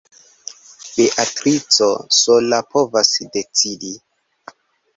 Beatrico sola povas decidi.